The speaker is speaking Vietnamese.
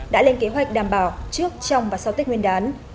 đã lên kế hoạch đảm bảo trước trong và sau tết nguyên đán